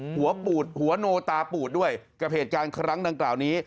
หัวปูดหัวโนตาปูดด้วยกับเหตุการณ์ครั้งดังกล่าวนี้